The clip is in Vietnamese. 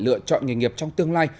lựa chọn nghề nghiệp trong tương lai